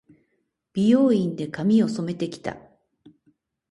美容院で、髪を染めて来た。